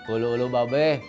ulu ulu mbak beh